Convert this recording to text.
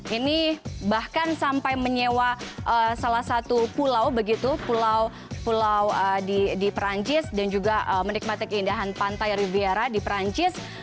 ini bahkan sampai menyewa salah satu pulau begitu pulau pulau di perancis dan juga menikmati keindahan pantai riviera di perancis